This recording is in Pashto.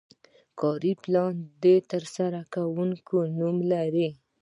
کاري پلان د ترسره کوونکي نوم لري.